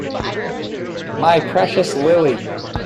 My precious Lily!